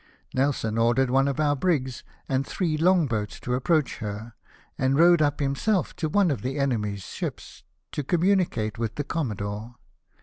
Nelson ordered one of our brigs and BATTLE OF COPENHAGEN. 243 three longboats to approach her, and rowed up himself to one of the enemy's ships, to commimicate with the commodore.